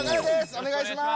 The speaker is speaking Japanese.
お願いします！